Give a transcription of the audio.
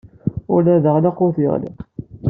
Ula d aɣlaq ur t-yeɣliq.